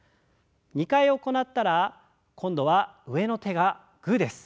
２回行ったら今度は上の手がグーです。